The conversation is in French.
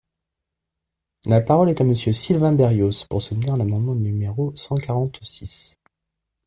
La parole est à Monsieur Sylvain Berrios, pour soutenir l’amendement numéro cent quarante-six.